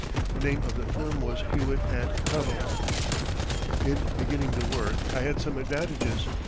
The name of the firm was Hewitt & Tuttle. In beginning the work I had some advantages.